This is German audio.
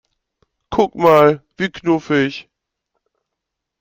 Guck mal, wie knuffig!